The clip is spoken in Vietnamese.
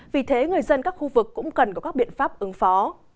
vì thế người dân các khu vực cũng cần có các biện pháp ứng phó